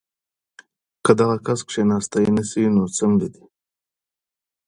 کۀ دغه کس کښېناستے نشي نو څملي دې